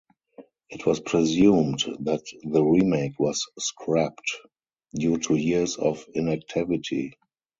It was presumed that the remake was scrapped due to years of inactivity.